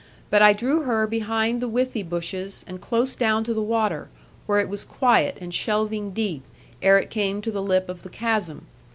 But I drew her behind the withy bushes, and close down to the water, where it was quiet and shelving deep, ere it came to the lip of the chasm.